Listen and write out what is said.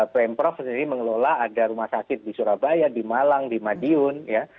pemprov sendiri mengelola ada rumah sakit di surabaya di malang di madiun ya